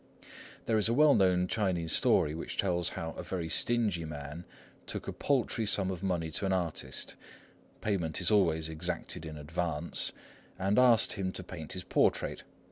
There is a well known Chinese story which tells how a very stingy man took a paltry sum of money to an artist—payment is always exacted in advance—and asked him to paint his portrait.